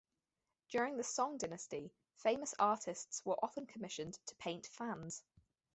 During the Song Dynasty, famous artists were often commissioned to paint fans.